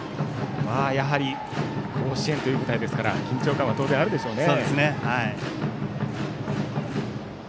やはり甲子園という舞台ですから緊張感は当然あるでしょうね。